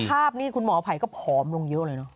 ภาพนี้คุณหมอไผ่ก็ผอมลงเยอะเลยเนอ